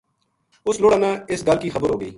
اُس لڑ ا نا اس گل کی خبر ہو گئی